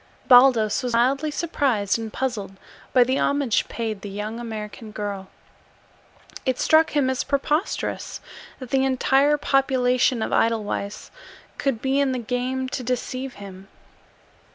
Baldos was mildly surprised and puzzled by the homage paid the young American girl. It struck him as preposterous that the entire population of Edelweiss could be in the game to deceive him.